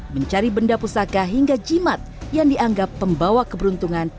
mencari benda pusaka hingga jimat yang dianggap pembawa keberuntungan